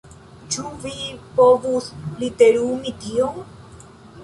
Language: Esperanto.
Ĉu vi povus literumi tion?